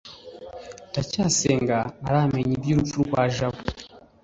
ndacyayisenga ntaramenya iby'urupfu rwa jabo